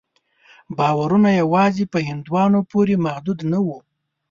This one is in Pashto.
باورونه یوازې په هندوانو پورې محدود نه وو.